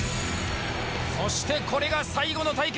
そしてこれが最後の対決！